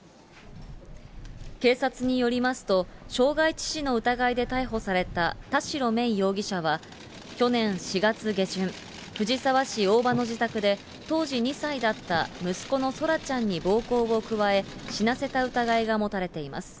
警察によりますと、傷害致死の疑いで逮捕された田代芽衣容疑者は去年４月下旬、藤沢市おおばの自宅で、当時２歳だった息子のそらちゃんに暴行を加え、死なせた疑いが持たれています。